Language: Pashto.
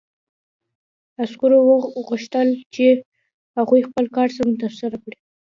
عسکرو غوښتل چې هغوی خپل کار سم ترسره کړي